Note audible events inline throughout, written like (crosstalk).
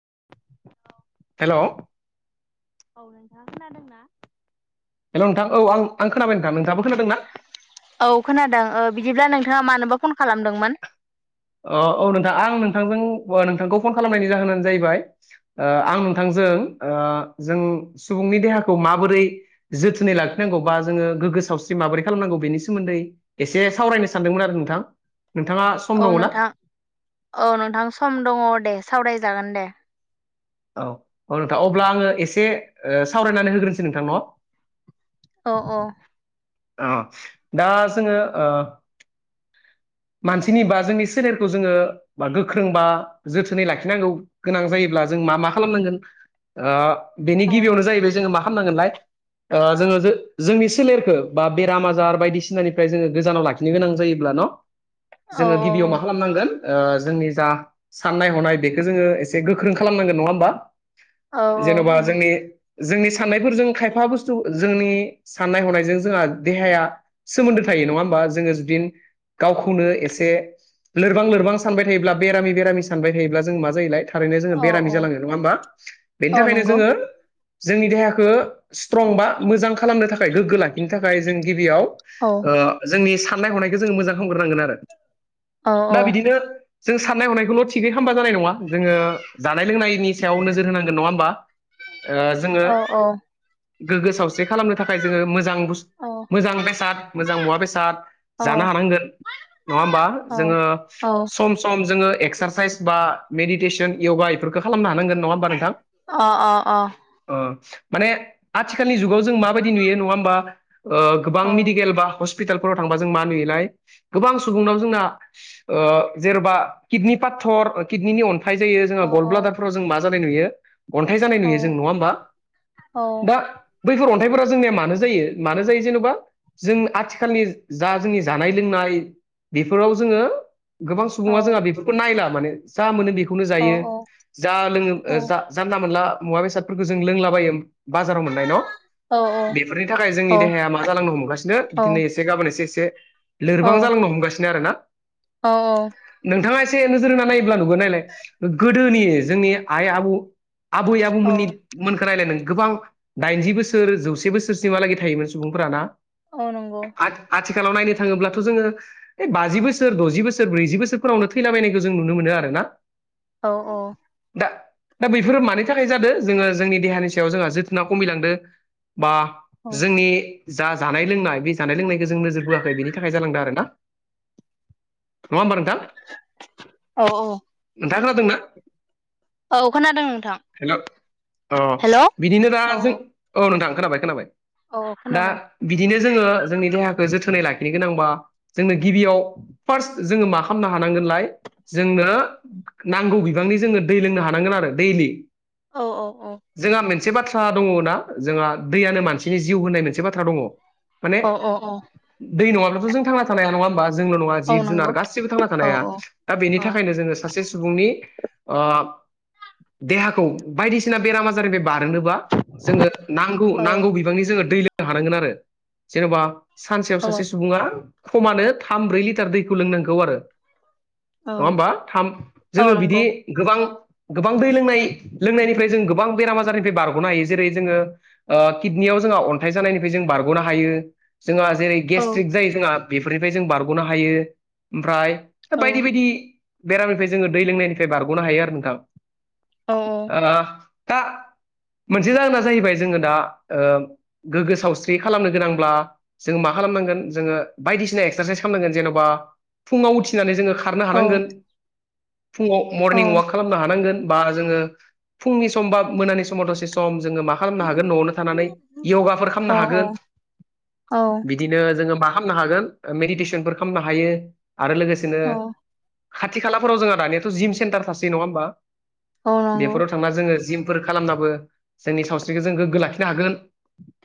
औ। हेल'। औ नोंथाङा खोनादोंना? हेल' नोंथां औ आं आं खोनाबाय नोंथां नोंथाङाबो खोनादोंना? औ खोनादों ओ बिदिब्ला नोंथाङा मानोबा फन खालामदोंमोन? औ नोंथां आं नोंथांजों नोंथांखौ फन खालामनायनि जाहोनानो जाहैबाय ओ आं नोंथांजों जों ओ जों सुबुंनि देहाखौ माबोरै जोथोनै लाखिनांगौ बा जोङो गो गोगो सावस्रि माबोरै खालामनांगौ बेनि सोमोन्दै एसे सावरायनो सानदोंमोन आरो नोंथां नोंथाङा सम औ दङ ना। नोंथां औ नोंथां सम दङ दे सावराय जागोन दे। औ औ नोंथां अब्ला आङो एसे सावरायनानै होग्रोनसै नोंथां न। औ औ। अ दा जोङो ओं। मानसिनि बा जोंनि सोलेरखौ जोङो बा गोख्रों बा जोथोनै लाखिनांगौ गोनां जायो। जों मा मा खालामनांगोन ओ बेनि औ गिबियावनो जाहैबाय जोङो मा खालामनांगोनलाय। ओ जोङो जोंनि सोलेरखौ बा बेराम आजार बायदिसिनानिफ्राय जोङो गोजानाव लाखिनो गोनां जायोब्ला न'। औ जोङो औ गिबियाव औ मा खालामनांगोन। ओ जोंनि जा साननाय हनाय बेखौ जोङो एसे गोख्रों खालामनांगोन नङा होमबा। औ जेन'बा जोंनि जोंनि साननायफोरजों खायफा बुस्थु जोंनि साननाय हनायजों जोंहा देहाया सोमोन्दो थायो। नङा होनबा जोङो जुदि गावखौनो एसे लोरबां लोरबां सानबाय थायोब्ला बेरामि बेरामि सानबाय थायोब्ला जों मा जायोलाय थारैनो जोङो औ बेरामि जालाङो औ नङा होमबा बेनि औ थाखायनो नंगौ जोङो जोंनि देहाखौ स्ट्रं बा मोजां खालामनो थाखाय गोग्गो लाखिनो थाखाय जों गिबियाव ओ औ जोंनि साननाय हनायखौ जोङो मोजां खालामग्रोनांगोन आरो औ औ दा बिदिनो जों साननाय हनायखौल' थिगै खालामबा जानाय नङा जोङो जानाय लोंनायनि सायाव नोजोर होनांगोन नङा होमबा। ओ जोङो औ गोग्गो सावस्रि खालामनो थाखाय जोङो मोजां औ मोजां बेसाद मोजां मुवा बेसाद औ जानो हानांगोन नङा होमबा औ जोङो औ सम सम जोङो एक्सारसाइस बा मेडिटेस य'गा बेफोरखौ खालामनो हांगोन नङा होमबा नोंथां। अ अ अ। ओ माने आथिखालनि जुगाव जों माबायदि नुयो नङा होमबा ओ गोबां औ मेडिकेल बा हसपि स्पिटालफोराव थांबा जों म नुयोलाय गोबां सुबुंनाव जोंना ओ जेन'बा किडनि पाथर किडनिनि अन थाय जायो जोंहा औ गल औ ब्लादारफोराव जों मा जानाय नुयो। अन्थाइ जानाय औ नुयो जों नङा होमबा औ दा बैफोर अन्थाइफोरा जोंनिया मानो जायो मानो जायो जेनेबा जों आथिखालनि जा जोंनि जानाय लोंनाय बेफोराव जोङो गोबां सुबुङा जोंहा बेफोरखौ नायला माने जा मोनो बे खौनो औ जायो जा लोङो जानला मानला मुवा बेसादफोरखौ जों लोंलाबायो। बाजाराव मोननाय न'। बेफोरनि थाखाय जोंनि देहाया मा जालांनो हमगासिनो औ दिनै एसे गाबोन एसे एसे लोरबां जालांनो हमगासिनो आरोना। औ औ। एसे नोजोर होना नायोब्ला नुगोन नायलाय गोदोनि जोंनि आइ आबौ आबै आबौमोननि औ मोनखौ नायलाय गोबां दाइनजि बोसोर जौसे बोसोरसिहालागै थायोमोन सुबुंफोराना। औ नंगौ। आथिखालाव नायनो थाङोब्लाथ' जोङो बे बाजि बोसोर, द'जि बोसोर, ब्रैजि बोसोरफोरावनो थैलाबायनायखौ जों नुनो मोनो आरो ना। औ दा दा बैफोर मानि थाखाय जादों जोङो जोंनि देहानि सायाव जोंहा जोथोन खमिलांदो बा औ जोंनि जा जानाय लोंनाय बे जानाय लोंनायखौ जों नोजोर बोयाखै बेनि थाखाय जालांदों आरोना। नङा होनबा नोंथां? औ औ। नोंथाङा खोनादोंना? औ खोनादों नोंथां हेल' अ हेलौ बिदिनो दा औ जों औ नोंथां। खोनाबाय खोनाबाय। औ दा खोनादों बिदिनो जोङो जोंनि देहाखौ जोथोनै लाखिनो गोनांबा जोंनो गिबियाव फार्स्ट जोङो मा खालामनो हानांगोनलाय जोंनो नांगौ बिबांनि जोङो दै लोंनो हानांगोन आरो दैलि। औ औ औ। जोंहा मोनसे बाथ्रा दङना जोंहा दैयानो मानसिनि जिउ होननाय मोनसे बाथ्रा दङ। माने अ अ औ। दै नङाब्लाथ' जों थांना थानो हाया नङा होमबा? जोंल' नङा औ जिब-जुनार नंगौ गासिबो थांना थानो औ हाया। औ दा बेनि औ थाखायनो जोङो सासे सु बुंनि ओ देहाखौ बायदिसिना बेराम-आजारनिफ्राय बार ग'नोब्ला जोङो नांगौ औ नांगौ बिबांनि जोङो दै लोंनो हानांगोन आरो। जेन'बा सानसेयाव औ सासे सुबुङा खमानो थाम, ब्रै लिटार दैखौ लोंनांगौ आरो। औ नङा होमबा? थाम औ जोङो बिदि नंगौ गोबां गोबां दै लोंनाय-लोंनायनिफ्राय जों गोबां बेराम आजारनिफ्राय बारग'नो हायो। जेरै- जोङो ओ किडनियाव जों अन्थाइ जानायनिफ्राय जों बारग'नो हायो। जोंहा जेरै- औ गेस्ट्रिक जायो जोंहा बेफोरनिफ्राय जों बारग'नो हायो। ओमफ्राय औ बायदि बायदि बेरामनिफ्राय जोङो दै लोंनायनिफ्राय बारग'नो हायो आरो नोंथां। औ ओ दा मोनसे जाहोना जाहैबाय जोङो दा ओ गोगो सावस्रि खालामनो गोनांब्ला जों मा खालामनांगोन जोङो। बायदिसिना एक्चारचाइस खालामनांगोन। जेन'बा फुङाव उथिनानै जोङो खारनो औ हानांगोन। फुङाव औ मरनिं वाक खालामनो हानांगोन, बा जोङो फुंनि सम बा मोनानि समाव दसे सम जोङो मा खालामनो हागोन न'आवनो थानानै यगाफोर औ खालामनो हागोन। बिदिनो जोङो मा खालामनो हागोन, मेडिटेसनफोर खालामनो हायो आरो लोगोसेनो खाथि खालाफोराव जोंहा दानियाथ' जिम सेन्टार थासै नङा होमबा? औ नंगौ औ नंगौ बेफोराव थांना जोङो जिम फोर खालामनाबो जोंनि सावस्रिखौ जों गोग्गो लाखिनो हागोन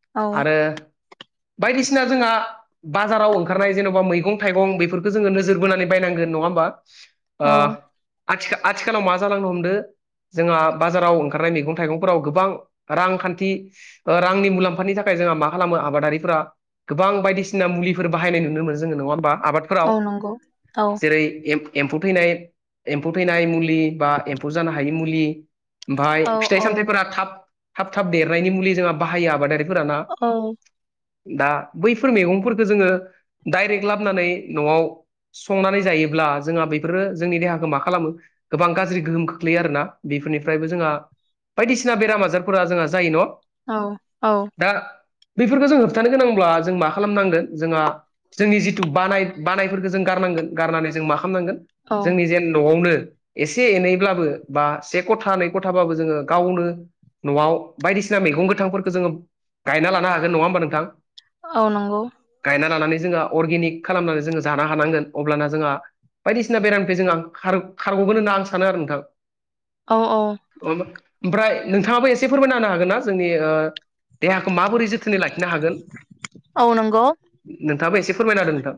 औ आरो बायदिसिना जोंहा बाजाराव ओंखारनाय जेन'बा मैगं-थाइगं बेफोरखौ जोङो नोजोर बोनानै बायनांगोन नङा होमबा? ओ औ आथि-आथिखालाव मा जालांनो हमदों जोंहा बाजाराव ओंखारनाय मैगं-थाइगंफोराव गोबां रांखान्थि ओ रांनि मुलाम्फानि थाखाय जोंहा मा खालामो आबादारिफोरा गोबां बायदिसिना मुलिफोर बाहायनाय नुनो मोनो जोङो नङा होमबा? आबादफोराव औ जेरै- एम्फौ एम्फौ थैनाय-एम्फौ थैनाय मुलि बा एम्फौ जानो हायि मुलि, ओमफ्राय फिथाइ औ सामथाइफोरा थाब, थाब थाब देरनायनि मुलि जोंहा बाहायो आबादारि औ। दा बैफोर मैगंफोरखौ जोङो डाइरेक्ट लाबोनानै न'आव संनानै जायोब्ला जोंहा बेफोरो जोंनि देहाखौ मा खालामो गोबां गाज्रि गोहोम खोख्लैयो आरोना। बेफोरनिफ्रायबो जोंहा बायदिसिना बेराम-आजारफोरा जोंहा जायो न'? औ औ। दा बेफोरखौ जों होबथानो गोनांब्ला जों मा खालामनांगोन? जोंहा जोंनि जिथु बानाय-बानायफोरखौ जों गारनांगोन गारनानै जों मा खालामनांगोन? जोंनि जेन न'आवनो एसे एनैब्लाबो बा से खथा, नै खथाबाबो जोङो गावनो न'आव बायदिसिना बायसिना मैगं गोथांफोरखौ जोङो गायना लानो हागोन नङा होमबा नोंथां। औ नंगौ। गायना लानानै जोंहा अर्गेनिक खालामनानै जोङो जानो हानांगोन अब्लाना जोंहा बायदिसिना बेरामनिफ्राय जों खारग'-खारग'गोन होनना आं सानो आरो नोंथां। (unintelligible) औ ओमफ्राय नोंथाङाबो एसे फोरमायना होनो हागोन ना जोंनि देहाखौ माबोरै जो जोथोनै लाखिनो हागोन औ नंगौ नोंथाङाबो एसे फोरमायनादों नोंथां?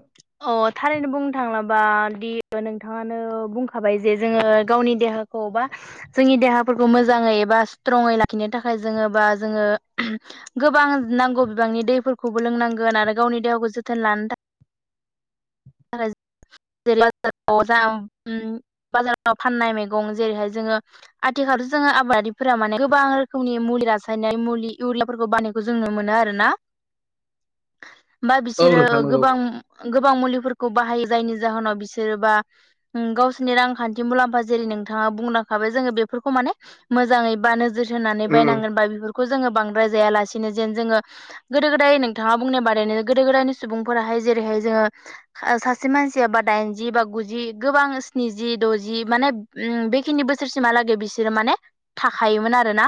अ थारैनो बुंनो थाङलाबा दि नोंथाङानो बुंखाबाय जे जोङो गावनि देहा बा जोंनि देहाफोरखौ मोजाङै एबा स्ट्रङै लाखिनो थाखाय जोङो बा जोङो गोबां नांगौ बिबांनि दैफोरखौबो लोंनांगोन आरो गावनि देहाखौ जोथोन लानो थाखाय (inaudible) जै बाजाराव फाननाय मैगं जेरैहाय जोङो आथिखाल जोङो आबादारिफोरा माने गोबां रोखोमनि मुलि रासायनाय मुलि इउरियाफोरखौ बानायखौ जों नु मोनो आरोना (inaudible) बा बिसोरो नोंथां नंगौ गोबां गोबां मुलिफोरखौ बाहायो जायनि जाहोनाव बिसोरोबा गावसोरनि रांखान्थि मुलाम्फा जेरै नोंथाङा बुंलांखाबाय जोङो बेफोरखौ मान मोजाङै बा नोजोर होनानै औ बायनांगोन बा बेफोरखौ खौ जोङो बांद्राय जायालासिनो जेन जोङो गोदो गोदाय नोंथाङा बुंनाय बादैनो गोदो गोदायनि सुबुंफोराहाय जेरैहाय जोङ सासे मानसि बा दाइनजि बा गुजि गोबां स्निजि द'जि माने बेखिनि बोसोरसिमहालागै बि बिसोरो माने थाखोमोन आरोोना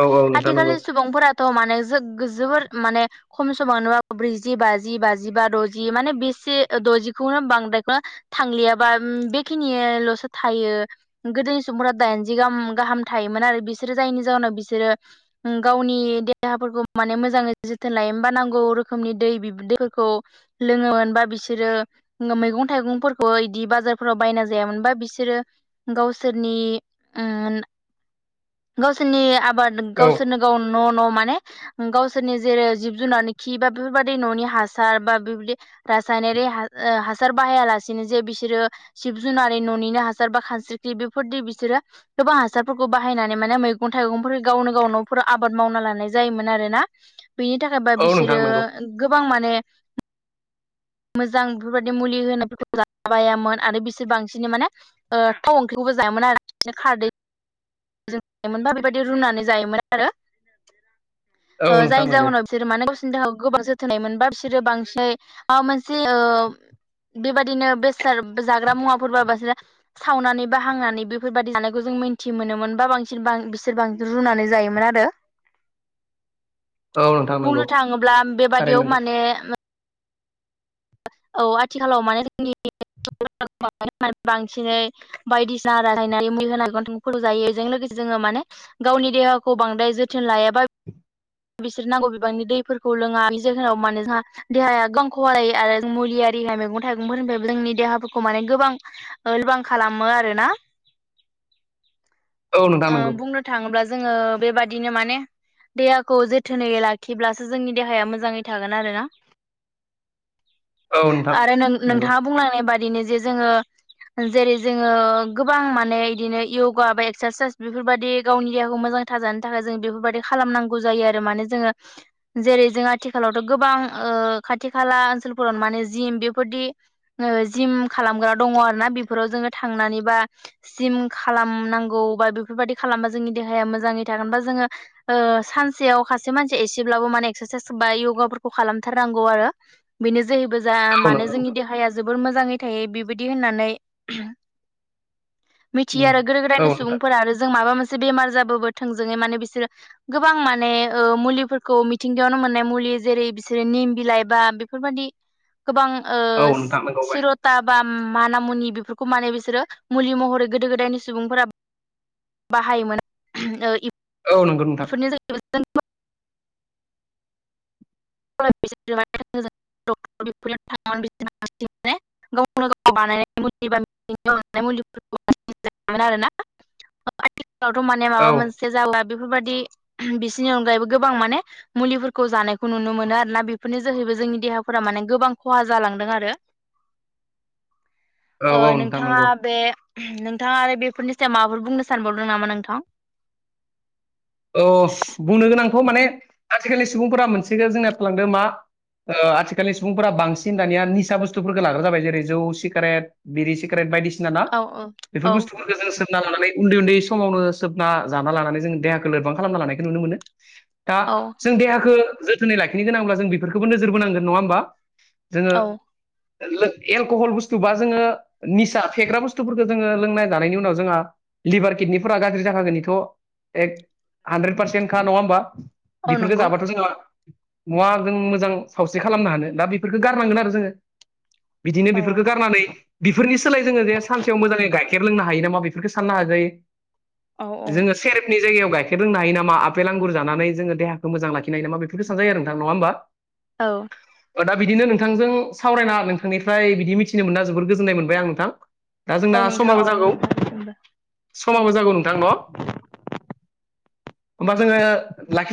औ नोंथां नंगौ आथिखालनि सुबुंफोरा थ' माने जोोबद माने खम समाव ना ब्रैजि बाजि बाजि बा द'जि माने बेसे द'जिखौनो बांद्रायखौनो थांलियाबा बेखिनियल'सो थायो गोदो सुबुं दाइनाह गाहाम थायोमोन आरो बिसोरो जायनि जाहोनाव बिसोरो गावनि देहा माने मोजांङै जोथोन लायोमोन बा नांगौ रोखनि दैफोरखौ लोङोमोना बिसोर बिसोरो मैगं थाइगंफोरखौ बिदि बाजारफोराव बायना जायामोनबा बिसोरो गावसोरनि गावसोरनि आबाद औ गावसोरनो गाव न' न' माने गावसोरनि जेरै जिब जुनार खि बा बेफोरबदि न'नि हासार बा बेदि हासार बाहायालासेनो जे बिसोरो सिब जुनार न'निनो हासार बा खानस्रिख्रि फोरदि बिसोरो गोबां हासारफोरखौ बाहायनानै माने मैगं थाइगं गावनो गाव न'फोराव आबाद मावना लानाय जायोमोन आरोना बिनि थाखायबा बिसोरो गोबां माने (inaudible) मोजां बेफोरबायाददि मुलि होनायफोरखौ जाबायामोन आरो बिसोर बांसिन माने थाव ओंख्रिखौबो जायामोन खारदैना बेबायदि रुनानै जायोमोन आरो औ नोंथां जायनि नंगौ जाहोनाव बिसोरो माने गावसोरनि थाखाय गोबां जोथोननाय मोनबा बिसोरो बांसिन मोनसे बेबायदिनो बेसाद जाग्रा मुवाफोरब बसिनो सावनानै बााहांनानै बेफोरबायदि जानायखौ जों मिथि मोनोमोन बा बांसिन बिसोर बांसिन रुनानै जायोमोन आरो (inaudible) औ नोंथां नंगौ औ नोंथां नंगौ बुंनो थाङोब्ला थारैनो बेबाददियाव नंगौ माने औ आथिखालाव माने जोंनि होन बांसिनै बायदिसिना रायनानै मु होनानैथां फ जायो बेजों लोगोसे जोङो माने गावनि देहाखौ बांद्राय जोथोन लायाबा बिसोर नांगौ बिबांनि दैफोरखौ लोङा बि जाहोनाव मानो जोंहा देहाया गां खलाय आरो मुलि आरिाय मैगं थाइगंफोरनिफ्रायबो जोंनि देहाफोरखौ माने गोबां लोरबां खालामो आरोना (inaudible) नोंथां नंगौ बुंनो थाङोब्ला जोङो बेबादि बिदिनो माने देहाखौ जोथोनै लाखिब्लासो जोंनि देहाया मोजाङै थागोन आरो ना (inaudible) औ नोंथां आरो नों नंगौ नोंथाङा बुंलांनाय बादिनो जे जोङो जेरै जोङो गोबां माने बिदिनो यगा बा एक्सारसाइस बेफोरबादि गावनि देहाखौ मोजां थाजानो थाखाय जों बेफोरबादि खालामनांगौ जायो आरो माने जोङो जे जेरै जों आथिखालावथ' गोबां ओ खाथि खाला ओनसोलफोराव माने जिम बेफोरदि जिम खालामग्रा दङ आरोना बेफोराव जोङो थांनानै बा जिम खालामनांगौ बा बे बेफोरबादि खालामबा जोंनि देहाया मोजाङै थागोन बा जोङो ओ सानसेयाव खासे मानसिया एसेब्लाबो माने एक्सार सायस बा योगाफोरखौ खालामथारनांगौ आरो बेनो जोहैबो जा औ मानो नंगौ जोंनि नोंथां देहाया जोबोर मोजाङै थायो बेबायदि होननानै औ मिथियो आरो गोदो गोदायनि नोंथां सुबुंफोरा आरो जों माबा मोनसे बेमार जाबाबो थोंजोङै माने बिसोरो गोबां माने ओ मुलिफोरखौ मिथिंगायावनो मोननाय मुलि जेरै बिसोरो निम बिलाइ बा बेफोरबादि गोबां ओ औ नोंथां नंगौ सिर'था बा माना मुनि बेफोरखौ माने बिसोरो मुलि महरै गोदो गोदायनि सुबुंफोरा बाहायोमोन ओ इप औ नंगौ नोंथां (inaudible) (inaudible) (inaudible) (inaudible) माने औ माबा मोनसे जाला बेफोरबादि बिसिनि अनगायैबो गोबां माने मुलिफोरखौ जानायखौ नुनो मोन मोनो आरोना बेफोरनि जोहैबो जोंनि देहाफोरा माने गोबां खहा जालांदों आरो ओ औ नोंथां नोंथाङा नंगौ बे नोंथाङा आरो बेफोरनि सायाव माबाफोर बुंनो सानबावदों नामा नोंथां अह बुंनो गोनांथ' माने आथिखालनि सुबुंफोरा मोनसेखौ जोंनाया फालांदों मा ओ आथिखालनि सुबुंफोरा बांसिन दानिया निसा बुस्थुफोरखौ लाग्रा जाबाय जेरै जौ सिगारेट बिरि सिगारेट बायदिसिन जों आरोना औ बेफोर औ बुस्थुफोरखौ जोङो सोबना लानानै उन्दै उन्दै समावनो सोबना जाना लानानै जोङो देहा लोरबां खालामना लानायखौ नुनो मोनो दा औ जों देहाखौ जोथोनै लाखिनो गोनांब्ला जों बेफोरखौबो नोजोर बोनांगोन नङा होमबा जोङो औ लो एलक'हल बुस्थु बा जोङो निसा फेग्रा बुस्थुफोरखौ जोङो लोंनाय जानायनि उनाव जोंहा लिभार किडनिफोरा गाज्रि जाखागोननिथ' एक हानद्रेद पारसेन्टखा नङा होमबा औ बेफोरखौ नंगौ जाबाथ' जोंहा महा जों मोजां सावस्रि खालामनो हानो दा बेफोरखौ गारनांगोन आरो जोङो बिदिनो औ बेफोरखौ गारनानै बिफोरनि सोलाय जोङो जे सानसेयाव मोजाङै गायखे खेर लोंनो हायो नामा बेफोरखौ साननो हाजायो औ औ जोङो सेरेफनि जायगायाव गायखेर खेर लोंनो हायो नामा आपेल आंगुर जानानै जोङो देहाखौ मोजां लाखिनाय (unintelligible) बेफोरखौ सानजायो आरो नोंथां नङा होमबा औ दा बिदिनो नोंथांजों सावरायना नोंथांनिफ्राय बिदि मिथिनो मोनना जोबोर गोजोननाय मोनबाय आं नोंथां दा जोंना औ नोंथां समाबो औ जागौ नोंथांनिसिमबो औ समाबो जागौ नोंथां न' होमबा जोङो लाखिथार